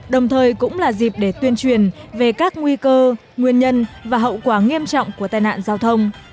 đồng thời cũng là dịp để tuyên truyền về các nguy cơ nguyên nhân và hậu quả nghiêm trọng của tai nạn giao thông